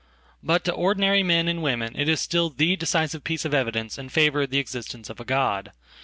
But to ordinarymen and women it is still the decisive piece of evidence in favorof the existence of a God.